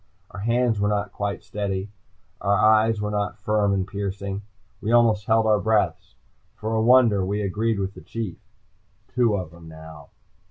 Our hands were not quite steady. Our eyes were not firm and piercing. We almost held our breaths. For a wonder, we agreed with the Chief. Two of 'em now.